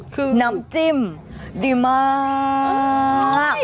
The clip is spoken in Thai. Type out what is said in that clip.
คือน้ำจิ้มดีมาก